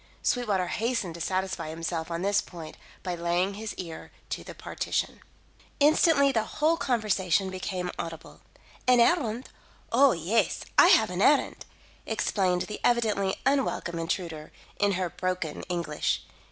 Sweetwater hastened to satisfy himself on this point by laying his ear to the partition. Instantly the whole conversation became audible. "An errand? Oh, yes, I have an errand!" explained the evidently unwelcome intruder, in her broken English.